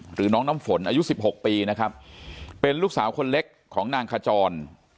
หรือน้องน้ำฝนอายุสิบหกปีนะครับเป็นลูกสาวคนเล็กของนางขจร